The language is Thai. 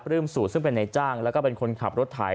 ปริ่มสูตรซึ่งเป็นนายจ้างและก็เป็นคนขับรถไถ